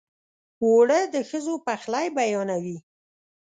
اوړه د ښځو پخلی بیانوي